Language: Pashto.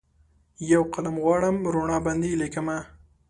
یوقلم غواړم روڼا باندې لیکمه